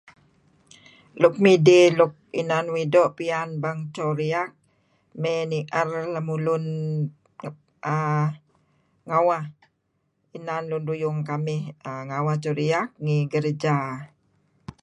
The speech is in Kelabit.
Luk midih inan uih doo' piyan bang dto riyak may nier lemulun uhm ngaweh inan lun ruyung kamih ngawah dto riak ngi gereja.